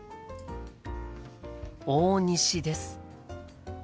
大西です。